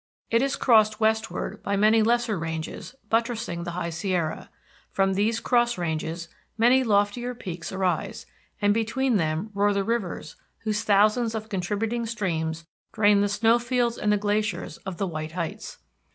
It is crossed westward by many lesser ranges buttressing the High Sierra; from these cross ranges many loftier peaks arise, and between them roar the rivers whose thousands of contributing streams drain the snow fields and the glaciers of the white heights.